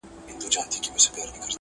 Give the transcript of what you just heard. زوی او لور به یې نهر ورته پراته وه،